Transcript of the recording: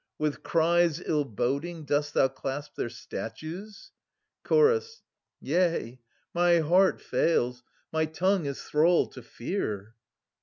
With cries ill boding dost thou clasp their statues ? Chorus. Yea, my heart fails, my tongue is thrall to fear.